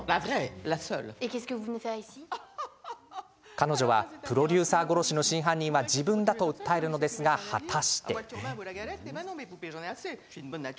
彼女はプロデューサー殺しの真犯人は自分だと訴えるのですが果たして。